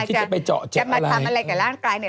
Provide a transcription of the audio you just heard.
ก่อนที่จะไปเจาะเจ็บอะไรจะมาทำอะไรกับร่างกายเนี่ย